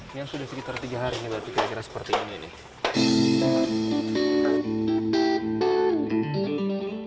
ini yang sudah sekitar tiga hari nih berarti kira kira seperti ini nih